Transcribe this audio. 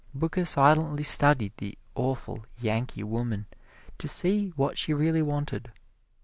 Booker silently studied the awful Yankee woman to see what she really wanted.